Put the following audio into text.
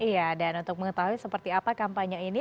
iya dan untuk mengetahui seperti apa kampanye ini